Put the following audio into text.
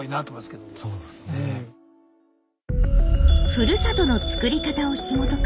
「ふるさとの作り方」をひもとく